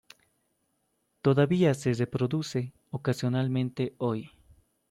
Todavía se reproduce ocasionalmente hoy.